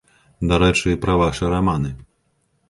Дарэчы, пра вашы раманы.